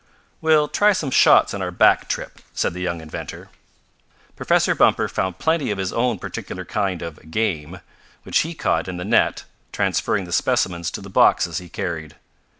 "We'll try some shots on our back trip," said the young inventor. Professor Bumper found plenty of his own particular kind of "game" which he caught in the net, transferring the specimens to the boxes he carried.